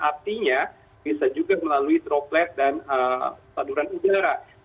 artinya bisa juga melalui droplet dan saluran udara